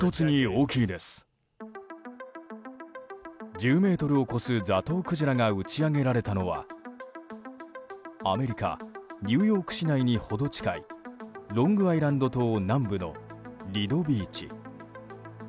１０ｍを超すザトウクジラが打ち上げられたのはアメリカ・ニューヨーク市内にほど近いロングアイランド島南部のリドビーチ。